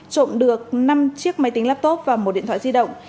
trộm được năm chiếc máy tính laptop và một điện thoại di động